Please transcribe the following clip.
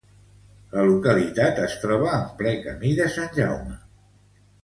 La localitat es troba en ple Camí de Sant Jaume.